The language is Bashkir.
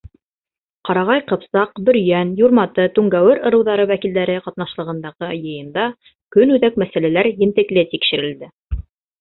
Ҡарағай-Ҡыпсаҡ, Бөрйән, Юрматы, Түңгәүер ырыуҙары вәкилдәре ҡатнашлығындағы йыйында көнүҙәк мәсьәләләр ентекле тикшерелде.